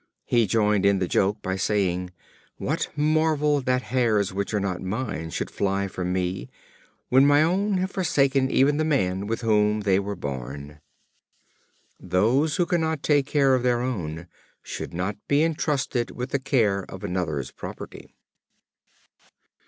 He joined in the joke by saying: "What marvel that hairs which are not mine should fly from me, when my own have forsaken even the man with whom they were born." Those who cannot take care of their own, should not be entrusted with the care of another's property.